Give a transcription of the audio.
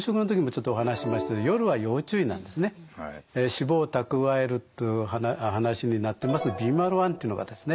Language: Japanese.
脂肪を蓄えるという話になってまずビーマル１というのがですね